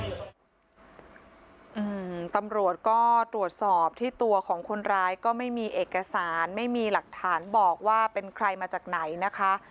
อืมตำรวจก็ตรวจสอบที่ตัวของคนร้ายก็ไม่มีเอกสารไม่มีหลักฐานบอกว่าเป็นใครมาจากไหนนะคะ